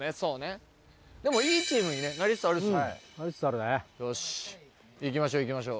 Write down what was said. でも、いいチームになりつつありますよね。